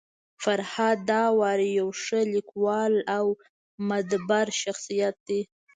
فرهاد داوري يو ښه لیکوال او مدبر شخصيت دی.